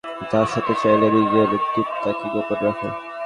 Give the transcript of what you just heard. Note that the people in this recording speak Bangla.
দাস হতে চাইলে, নিজের ধূর্ততাকে গোপন রাখো।